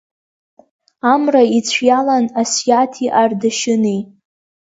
Амра ицәиалан Асиаҭи Ардашьыни.